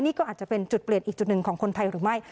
นี่ก็อาจจะเป็นจุดเปลี่ยนอีกจุดหนึ่งของคนไทยหรือไม่